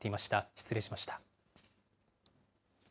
失礼しました。